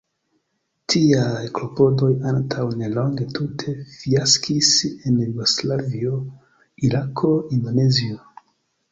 Tiaj klopodoj antaŭ nelonge tute fiaskis en Jugoslavio, Irako, Indonezio.